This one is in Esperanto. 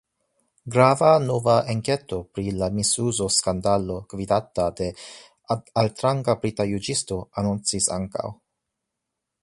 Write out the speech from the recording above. Grava nova enketo pri la misuzo skandalo gvidata de altranga brita juĝisto anoncis ankaŭ.